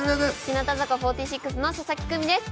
日向坂４６の佐々木久美です。